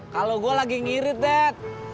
kalau gue lagi ngirit dek